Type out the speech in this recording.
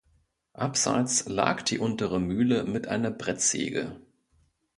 Abseits lag die Untere Mühle mit einer Brettsäge.